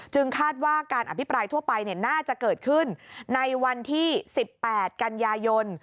คาดว่าการอภิปรายทั่วไปน่าจะเกิดขึ้นในวันที่๑๘กันยายน